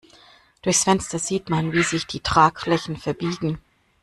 Durchs Fenster sieht man, wie sich die Tragflächen verbiegen.